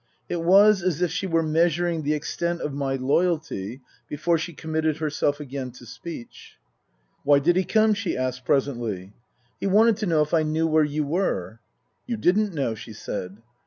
It was as if she were measuring the extent of my loyalty before she committed herself again to speech. " Why did he come ?" she asked presently. " He wanted to know if I knew where you were." " You didn't know," she said.